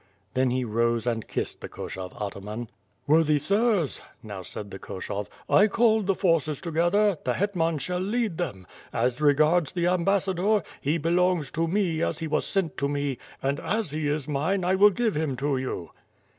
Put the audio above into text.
Then he rose and kissed the Koshov ataman. "Worthy sirs," now sjiid the Koshov, "1 called the forces together, the hetman shall lead them; as regards the am bassador, he belongs to me as he was sent to me, and as he is mine I will give him to you."